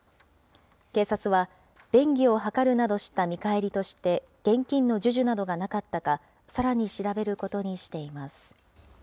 警察は便宜を図るなどした見返りとして現金の授受などがなかったか、さらに調べることにしています。